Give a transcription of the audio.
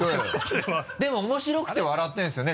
でも面白くて笑ってるんですよね？